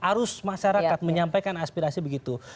arus masyarakat menyampaikan aspirasi begitu